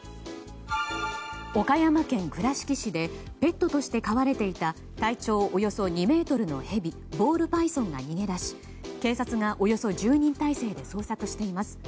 岡山県倉敷市でペットとして飼われていた体長およそ２ｍのヘビボールパイソンが逃げ出し、警察がおよそ１０人態勢で捜索しています。